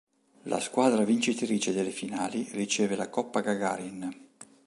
La squadra vincitrice delle finali riceve la Coppa Gagarin.